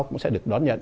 cũng sẽ được đón nhận